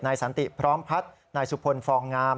สันติพร้อมพัฒน์นายสุพลฟองงาม